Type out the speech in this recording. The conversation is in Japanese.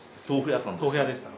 豆腐屋でした。